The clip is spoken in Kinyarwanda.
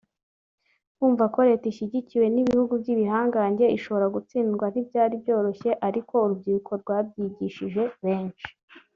Kumva ko leta ishyigikiwe n’ibihugu by’ibihangange ishobora gutsindwa ntibyari byoroshye ariko urubyiruko rwabyigishije benshi